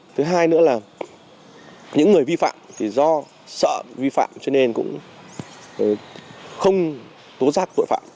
thứ hai nữa là những người vi phạm thì do sợ vi phạm cho nên cũng không tố giác tội phạm